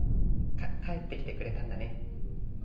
か帰ってきてくれたんだね。